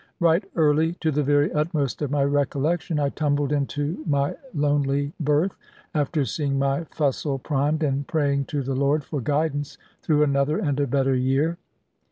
Right early, to the very utmost of my recollection, I tumbled into my lonely berth, after seeing my fusil primed, and praying to the Lord for guidance through another and a better year.